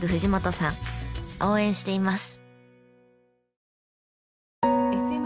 応援しています！